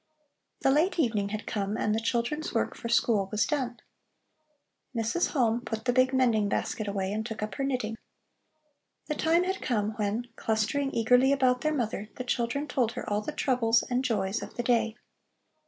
The late evening had come and the children's work for school was done. Mrs. Halm put the big mending basket away and took up her knitting. The time had come, when, clustering eagerly about their mother, the children told her all the troubles and joys of the day.